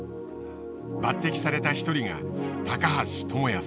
抜てきされた一人が橋朋也さん